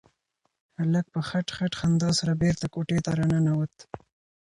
هلک په خټ خټ خندا سره بېرته کوټې ته راننوت.